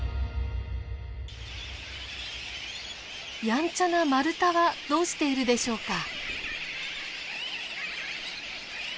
やんちゃなマルタはどうしているでしょうか。